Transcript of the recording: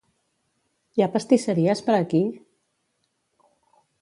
Hi ha pastisseries per aquí?